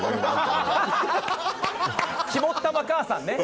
肝っ玉母さんね。